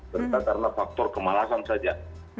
serta karena faktor kemalasan saja